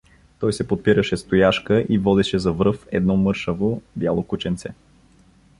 Той се подпираше с тояжка и водеше за връв едно мършаво бяло кученце.